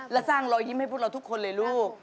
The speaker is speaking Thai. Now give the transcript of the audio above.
และสร้างรอยยิ้มให้พวกเราทุกคนเลยลูก